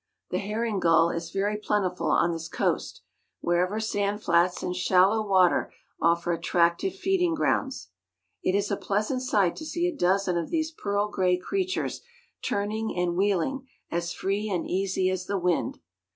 The herring gull is very plentiful on this coast, wherever sand flats and shallow water offer attractive feeding grounds. It is a pleasant sight to see a dozen of these pearl gray creatures turning and wheeling, as free and easy as the wind.